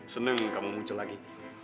seneng kamu muncul lagi